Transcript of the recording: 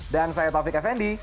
dan saya taufik effendi